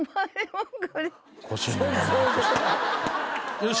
よし。